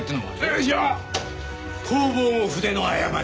じゃあ「弘法も筆の誤り」！